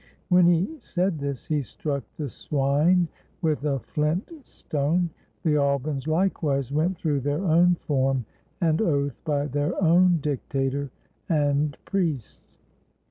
When he said this, he struck the swine with a flint stone. The Albans likewise went through their own form and oath by their own dictator and priests.